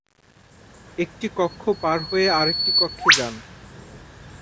একটি কক্ষ পার হয়ে আরেকটি কক্ষে যান।